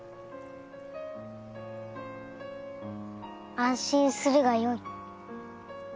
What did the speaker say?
安心するがよい。